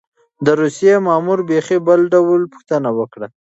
د روسيې مامور بېخي بل ډول پوښتنه وکړه.